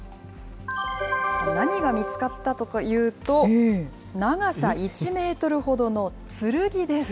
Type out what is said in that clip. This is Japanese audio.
何が見つかったのかというと、長さ１メートルほどの剣です。